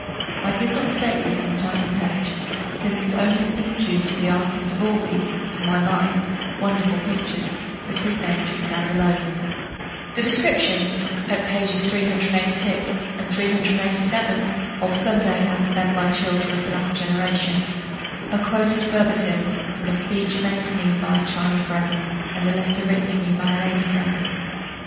I did not state this on the title page, since it seemed only due, to the artist of all these (to my mind) wonderful pictures, that his name should stand there alone. The descriptions, at pp. 386, 387, of Sunday as spent by children of the last generation, are quoted verbatim from a speech made to me by a child friend and a letter written to me by a lady friend.